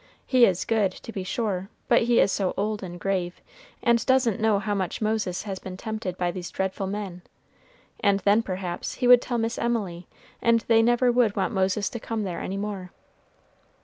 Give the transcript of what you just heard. He is good, to be sure, but he is so old and grave, and doesn't know how much Moses has been tempted by these dreadful men; and then perhaps he would tell Miss Emily, and they never would want Moses to come there any more.